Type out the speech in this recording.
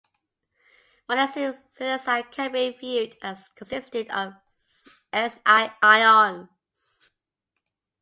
Magnesium silicide can be viewed as consisting of Si ions.